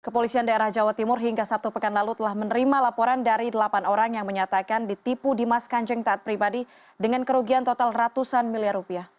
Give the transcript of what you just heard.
kepolisian daerah jawa timur hingga sabtu pekan lalu telah menerima laporan dari delapan orang yang menyatakan ditipu dimas kanjeng taat pribadi dengan kerugian total ratusan miliar rupiah